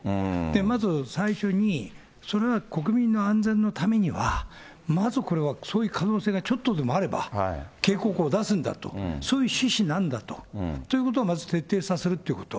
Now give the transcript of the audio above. まず最初に、それは国民の安全のためには、まずこれは、そういう可能性がちょっとでもあれば、警告を出すんだと、そういう趣旨なんだと、ということを徹底させるということ。